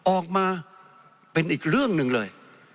ออกมาเป็นอีกเรื่องหนึ่งเลย